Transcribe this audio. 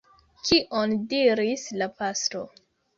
Kion diris la pastro?